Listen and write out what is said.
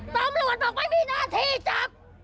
ตำรวจบอกไม่มีหน้าที่จับ